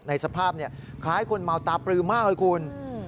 ในสภาพคล้ายคนเมาตาปลือมากเลยคุณ